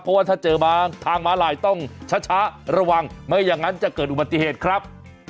เพราะว่าถ้าเจอมาทางม้าลายต้องช้าระวังไม่อย่างนั้นจะเกิดอุบัติเหตุครับ